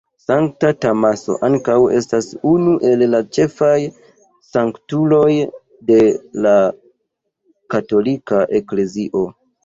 Sankta Tomaso ankaŭ estas unu el la ĉefaj sanktuloj de la Katolika Eklezio.